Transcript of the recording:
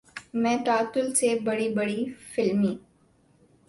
میں تعطل سے بڑی بڑی فلمی